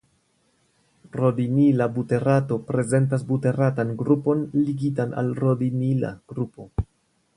Rodinila buterato prezentas buteratan grupon ligitan al rodinila grupo.